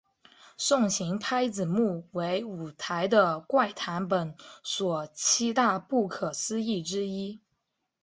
送行拍子木为舞台的怪谈本所七大不可思议之一。